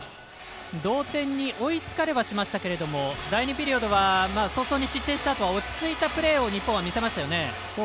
同点に追いつかれはしましたけれども第２ピリオドは早々に失点したあとは落ち着いたプレーを日本は見せましたよね。